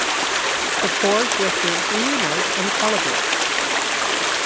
The four grifters reunite and celebrate.